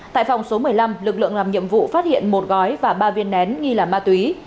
tại phòng số một mươi năm lực lượng làm nhiệm vụ phát hiện một gói và ba viên nén nghi là ma túy